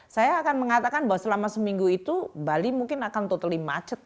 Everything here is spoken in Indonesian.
saya akan mengatakan bahwa selama seminggu itu bali mungkin akan totally macet